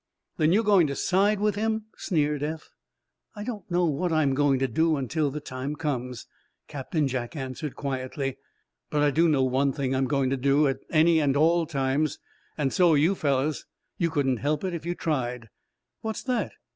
"Then you're going to side with him?" sneered Eph. "I don't know what I'm going to do, until the time comes," Captain Jack answered, quietly. "But I do know one thing I'm going to do, at any and all times and so are you fellows. You couldn't help it, if you tried." "What's that?"